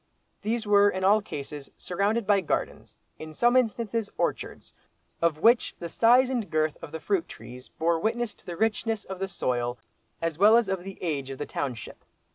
These were in all cases surrounded by gardens, in some instances by orchards, of which the size and girth of the fruit trees bore witness to the richness of the soil as well as of the age of the township.